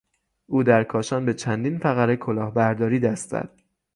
او در کاشان به چندین فقره کلاهبرداری دست زد.